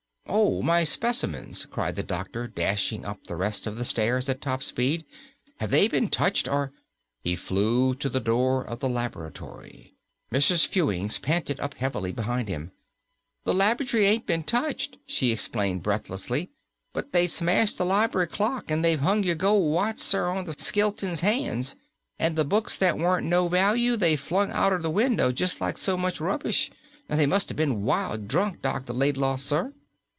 "Oh, my specimens!" cried the doctor, dashing up the rest of the stairs at top speed. "Have they been touched or " He flew to the door of the laboratory. Mrs. Fewings panted up heavily behind him. "The labatry ain't been touched," she explained, breathlessly, "but they smashed the libry clock and they've 'ung your gold watch, sir, on the skelinton's hands. And the books that weren't no value they flung out er the window just like so much rubbish. They must have been wild drunk, Dr. Laidlaw, sir!"